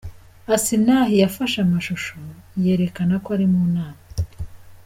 Asinah yafashe amashusho yerekana ko ari mu nama.